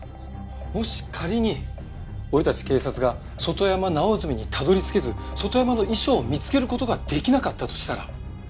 もし仮に俺たち警察が外山直澄にたどり着けず外山の遺書を見つける事ができなかったとしたら？